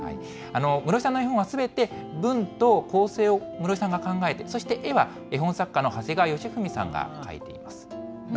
室井さんの絵本はすべて、文と構成を室井さんが考えて、そして絵は絵本作家の長谷川義史さんがかいています。